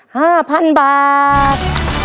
ห้าพันบาท